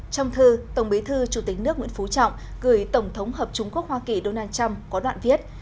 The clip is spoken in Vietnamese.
trong thư tổng bí thư chủ tịch nước nguyễn phú trọng gửi tổng thống hợp chúng quốc hoa kỳ đô năn trọng có đoạn viết